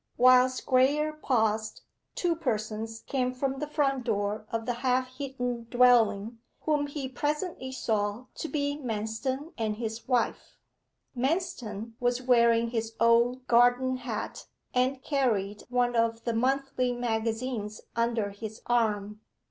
Whilst Graye paused, two persons came from the front door of the half hidden dwelling whom he presently saw to be Manston and his wife. Manston was wearing his old garden hat, and carried one of the monthly magazines under his arm.